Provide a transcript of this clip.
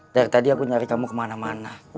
dari tadi aku nyari kamu kemana mana